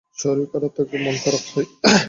শরীর খারাপ থাকলেই মন খারাপ হয়।